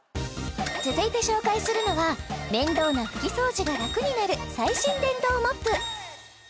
続いて紹介するのは面倒な拭き掃除が楽になる最新電動モップ